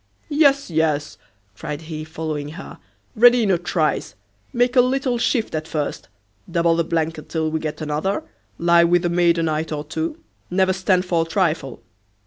"Yes, yes," cried he, following her, "ready in a trice. Make a little shift at first; double the blanket till we get another; lie with the maid a night or two; never stand for a trifle."